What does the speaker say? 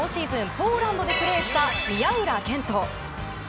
ポーランドでプレーした宮浦健人。